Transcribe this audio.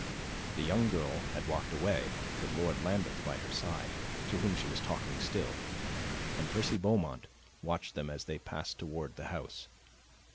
The young girl had walked away, with Lord Lambeth by her side, to whom she was talking still; and Percy Beaumont watched them as they passed toward the house.